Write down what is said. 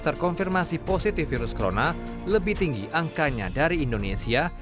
terkonfirmasi positif virus corona lebih tinggi angkanya dari indonesia